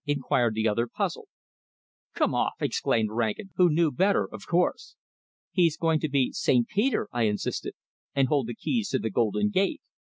inquired the other, puzzled. "Come off!" exclaimed Rankin, who knew better, of course. "He's going to be St. Peter," I insisted, "and hold the keys to the golden gate.